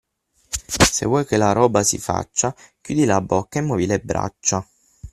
Se vuoi che la roba si faccia, chiudi la bocca e muovi le braccia.